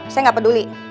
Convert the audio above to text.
saya gak peduli